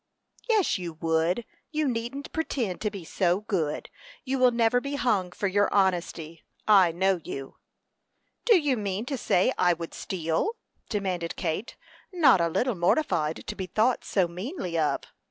"Yes, you would! You needn't pretend to be so good. You will never be hung for your honesty. I know you." "Do you mean to say I would steal?" demanded Kate, not a little mortified to be thought so meanly of.